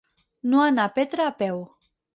No anar a Petra a peu.